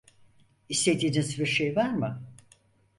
İstediğiniz bir şey var mı?